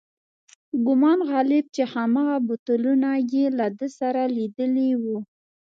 په ګومان غالب چې هماغه بوتلونه یې له ده سره لیدلي و.